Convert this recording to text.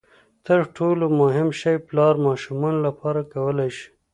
تر ټولو مهم شی پلار ماشومانو لپاره کولای شي.